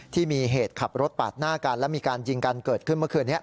ที่มีเหตุขับรถปาดหน้ากันและมีการยิงกันเกิดขึ้นเมื่อคืนนี้